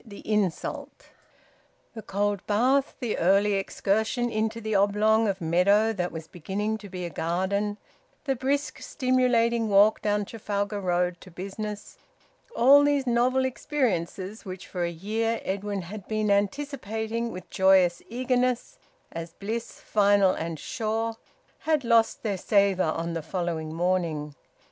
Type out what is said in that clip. THE INSULT. The cold bath, the early excursion into the oblong of meadow that was beginning to be a garden, the brisk stimulating walk down Trafalgar Road to business, all these novel experiences, which for a year Edwin had been anticipating with joyous eagerness as bliss final and sure, had lost their savour on the following morning.